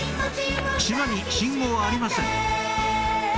島に信号はありません